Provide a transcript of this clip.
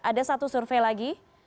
ada satu survei lagi